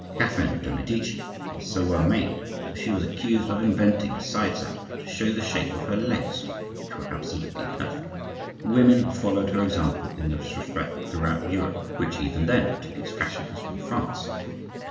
Catherine de' Medici was so well made that she was accused of inventing side saddles to show the shape of her legs, which were absolutely perfect. Women followed her example in this respect throughout Europe, which even then took its fashions from France.